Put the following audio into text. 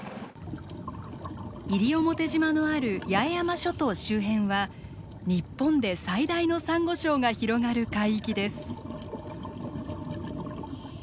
西表島のある八重山諸島周辺は日本で最大のサンゴ礁が広がる海域です。